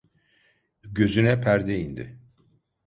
Gözüne perde indi...